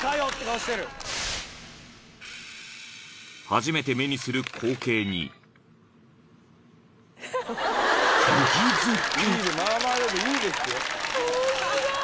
［初めて目にする光景に釘付け！］